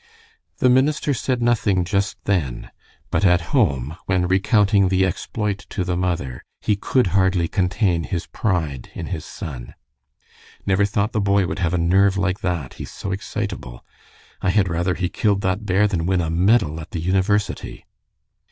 The minister said nothing just then, but at home, when recounting the exploit to the mother, he could hardly contain his pride in his son. "Never thought the boy would have a nerve like that, he's so excitable. I had rather he killed that bear than win a medal at the university."